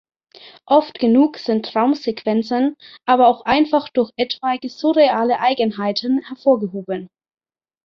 Oft genug sind Traumsequenzen aber auch einfach durch etwaige surreale Eigenheiten hervorgehoben.